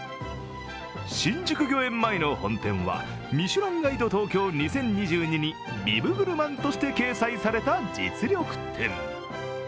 新宿御苑前の本店は「ミシュランガイド東京２０２２」にビブグルマンとして掲載された実力店。